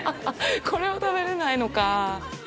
これは食べれないのかぁ。